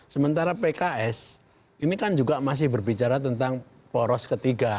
sementara pks ini kan juga masih berbicara tentang poros ketiga